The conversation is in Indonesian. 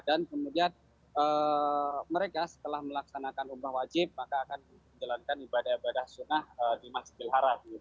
dan kemudian mereka setelah melaksanakan umrah wajib maka akan menjalankan ibadah ibadah sunnah di mas bilharat